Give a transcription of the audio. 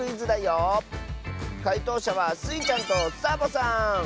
かいとうしゃはスイちゃんとサボさん！